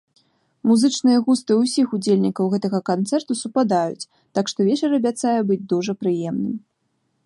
Музычныя густы ўсіх удзельнікаў гэтага канцэрту супадаюць, так што вечар абяцае быць дужа прыемным.